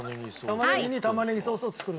玉ねぎに玉ねぎソースを作る。